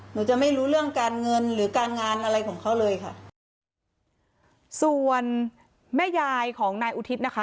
หนูจะไม่รู้เรื่องการเงินหรือการงานอะไรของเขาเลยค่ะส่วนแม่ยายของนายอุทิศนะคะ